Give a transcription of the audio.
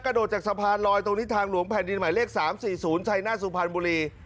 โดดจากสะพานลอยตรงนี้ทางหลวงแผ่นดินหมายเลข๓๔๐ชัยหน้าสุพรรณบุรี